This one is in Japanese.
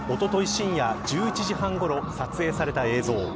深夜１１時半ごろ撮影された映像。